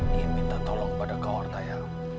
diin minta tolong kepada kau artaya